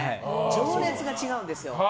情熱が違うんですよ。